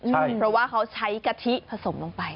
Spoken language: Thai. เพราะว่าเขาใช้กะทิผสมลงไป